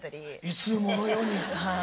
「いつものように」。